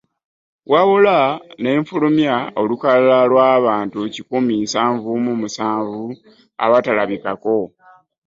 Wabula n'efulumya olukalala lw'abantu kikumi nsanvu mu musanvu abatalabikako.